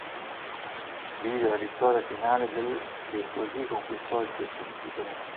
Vide la vittoria finale dell', che così conquistò il suo primo titolo.